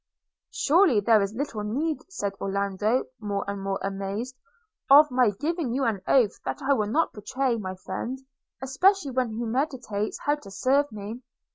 'Surely, there is little need,' said Orlando, more and more amazed, 'of my giving you an oath that I will not betray my friend, especially when he meditates how to serve me.'